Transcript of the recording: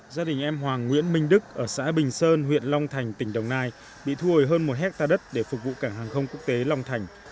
gia đình em hoàng nguyễn minh đức ở xã bình sơn huyện long thành tỉnh đồng nai bị thu hồi hơn một hectare đất để phục vụ cảng hàng không quốc tế long thành